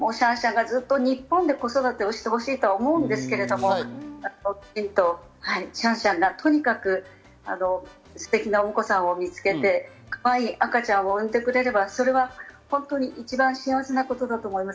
私たちはシャンシャンがずっと日本で子育てしてほしいと思うんですけれども、シャンシャンがとにかくステキなお婿さんを見つけて、かわいい赤ちゃんを産んでくれれば本当に一番幸せなことだと思います。